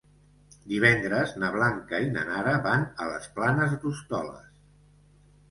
Divendres na Blanca i na Nara van a les Planes d'Hostoles.